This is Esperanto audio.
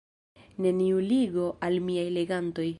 Neniu ligo al miaj legantoj.